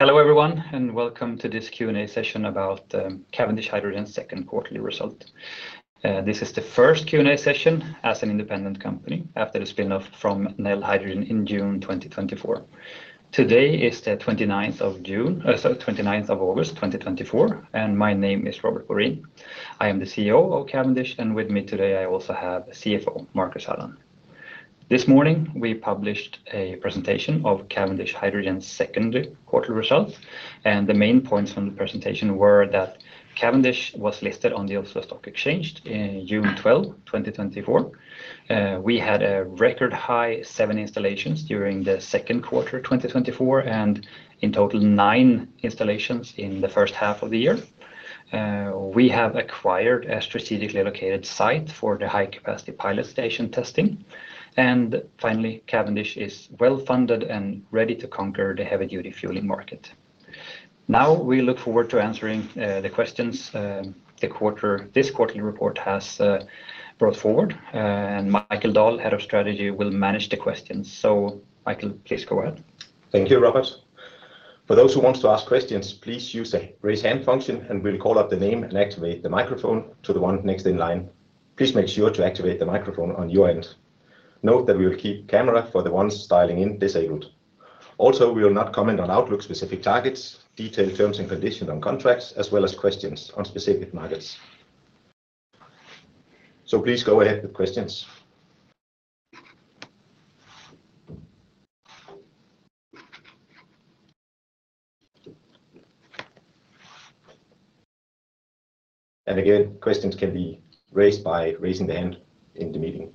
Hello, everyone, and welcome to this Q&A session about Cavendish Hydrogen second quarterly result. This is the first Q&A session as an independent company after the spin-off from Nel Hydrogen in June 2024. Today is the 29th of August 2024, and my name is Robert Borin. I am the CEO of Cavendish, and with me today, I also have CFO, Marcus Halland. This morning, we published a presentation of Cavendish Hydrogen second quarterly results, and the main points from the presentation were that Cavendish was listed on the Oslo Stock Exchange in June 12, 2024. We had a record high seven installations during the second quarter 2024, and in total, nine installations in the first half of the year. We have acquired a strategically located site for the high-capacity pilot station testing. And finally, Cavendish is well-funded and ready to conquer the heavy-duty fueling market. Now, we look forward to answering the questions this quarterly report has brought forward. And Michael Dahl, Head of Strategy, will manage the questions. So Michael, please go ahead. Thank you, Robert. For those who wants to ask questions, please use the Raise Hand function, and we'll call out the name and activate the microphone to the one next in line. Please make sure to activate the microphone on your end. Note that we will keep camera for the ones dialing in disabled. Also, we will not comment on outlook-specific targets, detailed terms and conditions on contracts, as well as questions on specific markets. So please go ahead with questions. And again, questions can be raised by raising the hand in the meeting.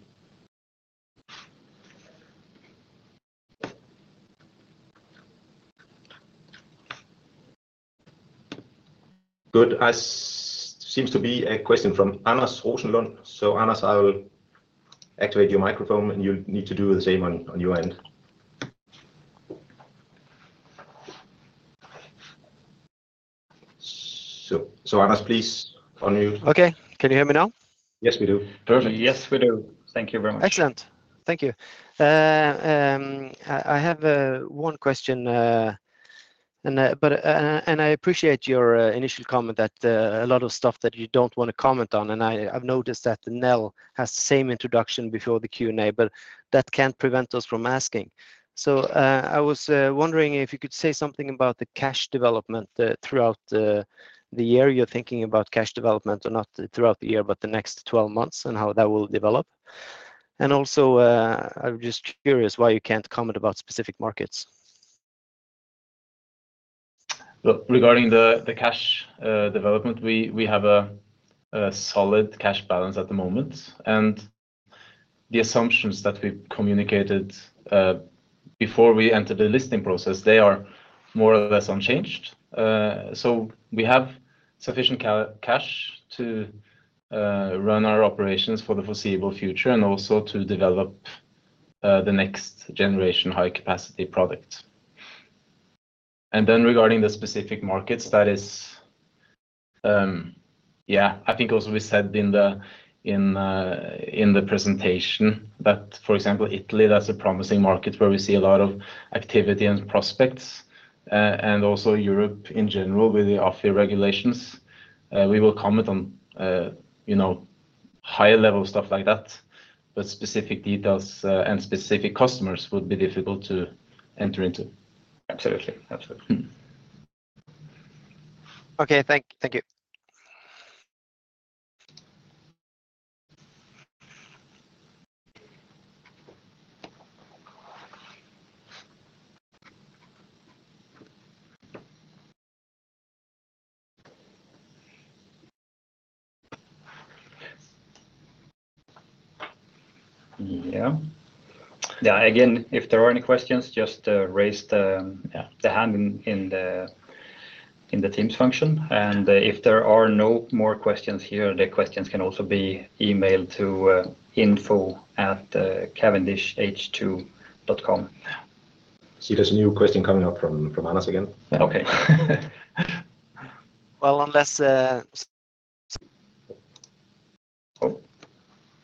Good. It seems to be a question from Anders Rosenlund. So, Anders, I will activate your microphone, and you need to do the same on, on your end. So, so Anders, please, unmute. Okay. Can you hear me now? Yes, we do. Perfect. Yes, we do. Thank you very much. Excellent. Thank you. I have one question, and I appreciate your initial comment that a lot of stuff that you don't want to comment on, and I've noticed that Nel has the same introduction before the Q&A, but that can't prevent us from asking. So, I was wondering if you could say something about the cash development throughout the year. You're thinking about cash development or not throughout the year, but the next 12 months, and how that will develop. And also, I'm just curious why you can't comment about specific markets. Regarding the cash development, we have a solid cash balance at the moment, and the assumptions that we communicated before we entered the listing process, they are more or less unchanged. So we have sufficient cash to run our operations for the foreseeable future and also to develop the next generation high-capacity product. Then regarding the specific markets, that is, yeah, I think also we said in the presentation that, for example, Italy, that's a promising market where we see a lot of activity and prospects, and also Europe in general with the AFIR regulations. We will comment on you know, higher-level stuff like that, but specific details and specific customers would be difficult to enter into. Absolutely. Absolutely. Okay, thank you. Yeah. Yeah, again, if there are any questions, just raise the- Yeah... the hand in the Teams function, and if there are no more questions here, the questions can also be emailed to info@cavendishh2.com. See, there's a new question coming up from Anders again. Okay. Well, unless, Oh,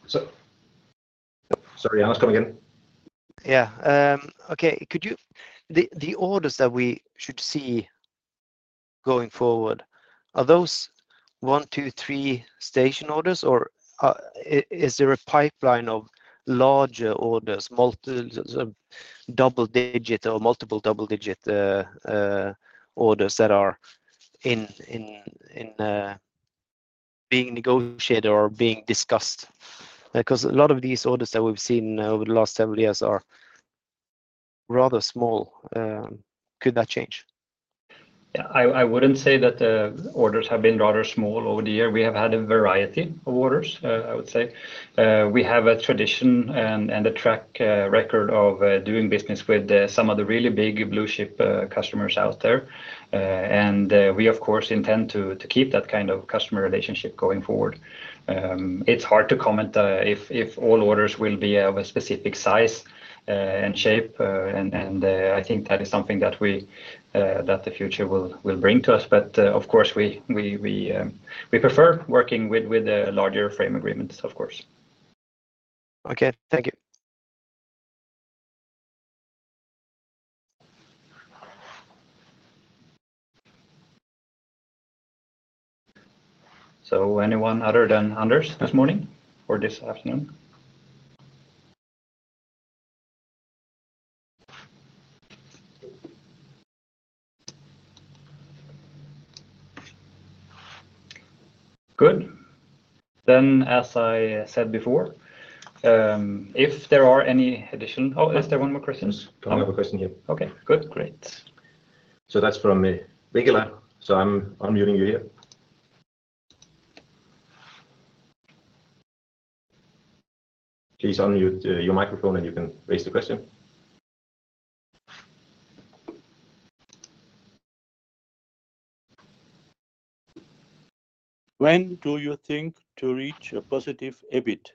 so, sorry, Anders. Come again? Yeah. Okay. The orders that we should see going forward, are those one, two, three station orders, or is there a pipeline of larger orders, multiple double digit or multiple double digit orders that are in being negotiated or being discussed? Because a lot of these orders that we've seen over the last several years are rather small. Could that change? Yeah, I wouldn't say that the orders have been rather small over the year. We have had a variety of orders, I would say. We have a tradition and a track record of doing business with some of the really big blue-chip customers out there. And we, of course, intend to keep that kind of customer relationship going forward. It's hard to comment if all orders will be of a specific size and shape, and I think that is something that the future will bring to us. But, of course, we prefer working with larger frame agreements, of course. Okay, thank you. So anyone other than Anders this morning or this afternoon? Good. Then, as I said before, if there are any. Oh, is there one more question? We have a question here. Okay, good. Great. So that's from Vegila. So I'm unmuting you here. Please unmute your microphone, and you can raise the question. When do you think to reach a positive EBIT?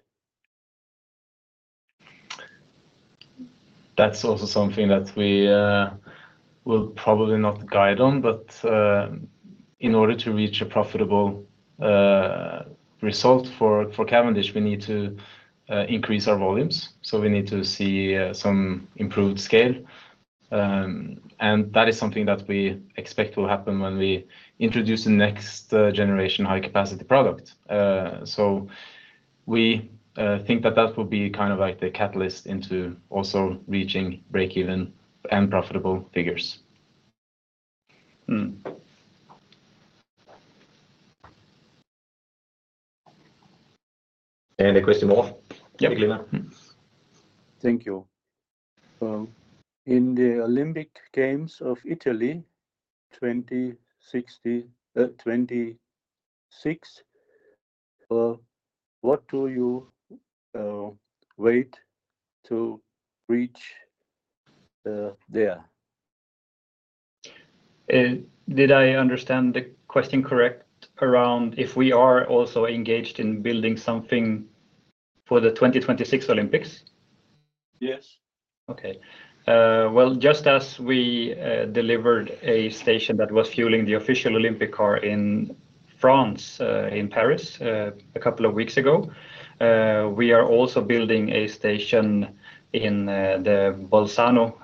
That's also something that we will probably not guide on, but in order to reach a profitable result for Cavendish, we need to increase our volumes. So we need to see some improved scale. And that is something that we expect will happen when we introduce the next generation high-capacity product. So we think that that will be kind of like the catalyst into also reaching break-even and profitable figures. Mm. And a question more- Yep. Vegila. Thank you. In the Olympic Games of Italy, 2026, what do you wait to reach there? Did I understand the question correct around if we are also engaged in building something for the 2026 Olympics? Yes. Okay. Well, just as we delivered a station that was fueling the official Olympic car in France, in Paris, a couple of weeks ago, we are also building a station in the Bolzano,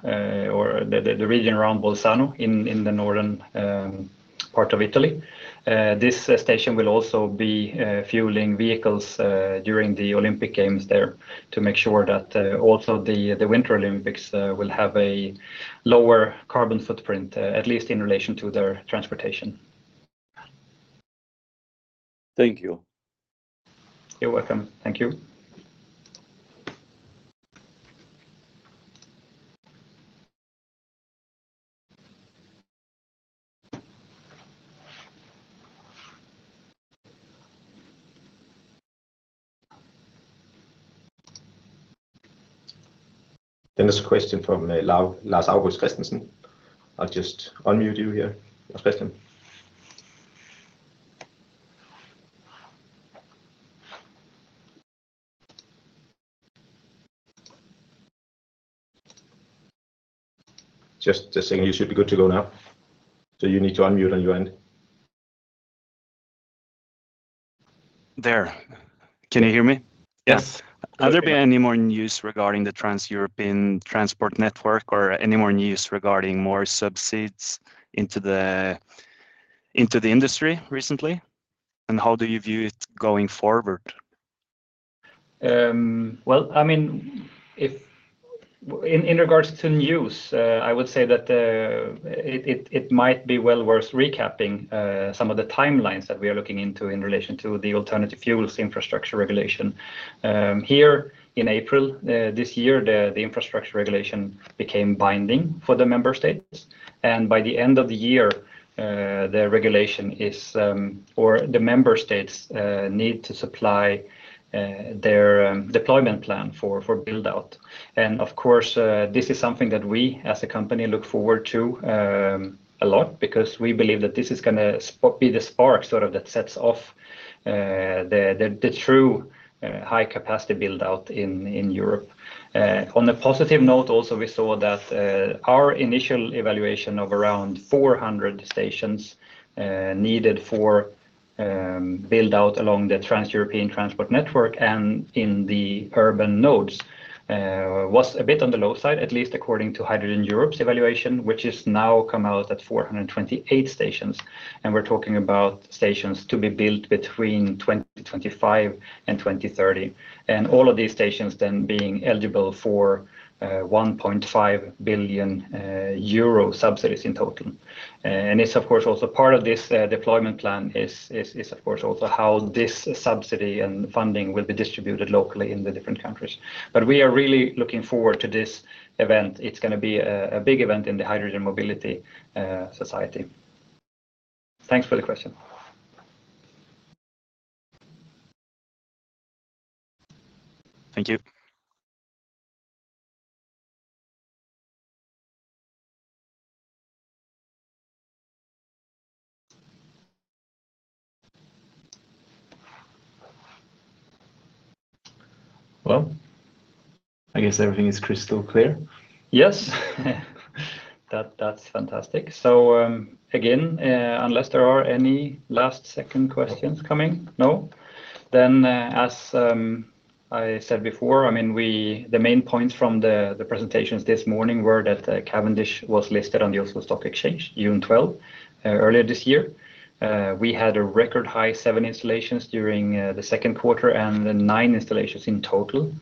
or the region around Bolzano in the northern part of Italy. This station will also be fueling vehicles during the Olympic Games there to make sure that also the Winter Olympics will have a lower carbon footprint, at least in relation to their transportation. Thank you. You're welcome. Thank you. Then there's a question from Lars-August Christensen. I'll just unmute you here. Your question. Just the signal should be good to go now. So you need to unmute on your end. There. Can you hear me? Yes. Have there been any more news regarding the Trans-European Transport Network, or any more news regarding more subsidies into the industry recently? And how do you view it going forward? Well, I mean, in regards to news, I would say that it might be well worth recapping some of the timelines that we are looking into in relation to the Alternative Fuels Infrastructure Regulation. Here in April this year, the infrastructure regulation became binding for the member states, and by the end of the year, the regulation is or the member states need to supply their deployment plan for build-out. Of course, this is something that we, as a company, look forward to a lot because we believe that this is gonna be the spark, sort of, that sets off the true high-capacity build-out in Europe. On a positive note, also, we saw that our initial evaluation of around 400 stations needed for build-out along the Trans-European Transport Network and in the urban nodes was a bit on the low side, at least according to Hydrogen Europe's evaluation, which has now come out at 428 stations, and we're talking about stations to be built between 2025 and 2030. All of these stations then being eligible for 1.5 billion euro subsidies in total. It's, of course, also part of this deployment plan, of course, also how this subsidy and funding will be distributed locally in the different countries. We are really looking forward to this event. It's gonna be a big event in the hydrogen mobility society. Thanks for the question. Thank you. Well, I guess everything is crystal clear. Yes. That, that's fantastic. So, again, unless there are any last-second questions coming... No? Then, as I said before, I mean, the main points from the presentations this morning were that Cavendish was listed on the Oslo Stock Exchange, June 12. Earlier this year, we had a record high seven installations during the second quarter and then nine installations in total.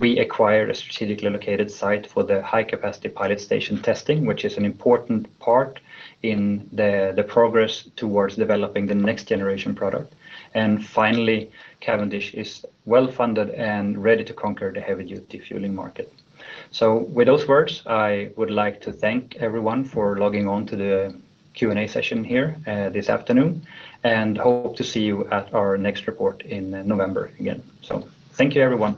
We acquired a strategically located site for the high-capacity pilot station testing, which is an important part in the progress towards developing the next generation product. And finally, Cavendish is well-funded and ready to conquer the heavy-duty fueling market. So with those words, I would like to thank everyone for logging on to the Q&A session here, this afternoon, and hope to see you at our next report in November again. So thank you, everyone.